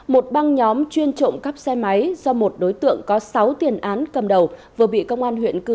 một băng nhóm chuyên trộm cắp xe máy do một đối tượng có sáu tiền án cầm đầu vừa bị công an huyện hà nội đưa ra